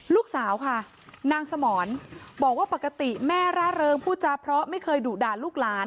ลูกสาวค่ะนางสมรบอกว่าปกติแม่ร่าเริงพูดจาเพราะไม่เคยดุด่าลูกหลาน